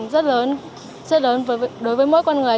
tầm quan trọng rất lớn rất lớn đối với mỗi con người